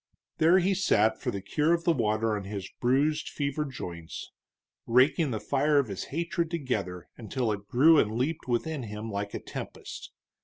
There he sat for the cure of the water on his bruised, fevered joints, raking the fire of his hatred together until it grew and leaped within him like a tempest.